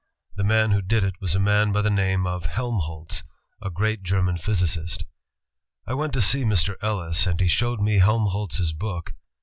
The man who did it was a man by the name of Helmholtz, a great German physicist. ''I went to see Mr. Ellis, and he showed me Helmholtz's book.